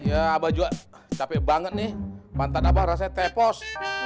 ya abah juga capek banget nih mantan abah rasanya tepos